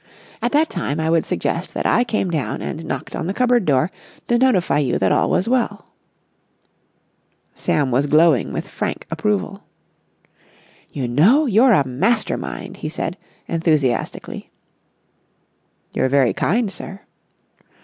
At that time I would suggest that I came down and knocked on the cupboard door to notify you that all was well." Sam was glowing with frank approval. "You know, you're a master mind!" he said, enthusiastically. "You're very kind, sir!"